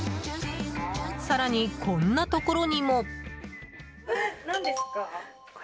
更に、こんなところにも。